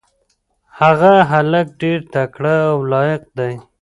هغه هلک ډېر تکړه او لایق دی.